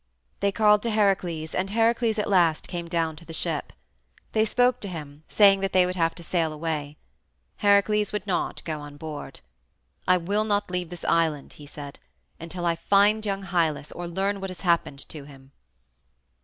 They called to Heracles, and Heracles at last came down to the ship. They spoke to him, saying that they would have to sail away. Heracles would not go on board. "I will not leave this island," he said, "until I find young Hylas or learn what has happened to him."